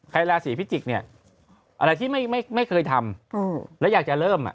ราศีพิจิกษ์เนี่ยอะไรที่ไม่เคยทำแล้วอยากจะเริ่มอ่ะ